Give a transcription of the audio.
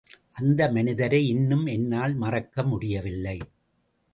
அந்த மனிதரை இன்னும் என்னால் மறக்கமுடியவில்லை.